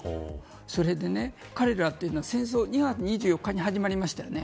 それで、彼らというのは戦争は２月２４日に始まりましたよね。